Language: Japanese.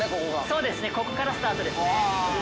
◆そうですね、ここからスタートですね。